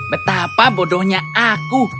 betapa bodohnya aku